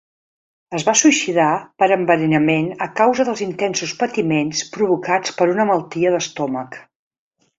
Es va suïcidar per enverinament a causa dels intensos patiments provocats per una malaltia d'estómac.